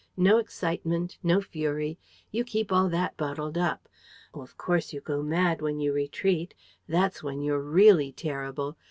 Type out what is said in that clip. No excitement, no fury. You keep all that bottled up. Oh, of course, you go mad when you retreat: that's when you're really terrible!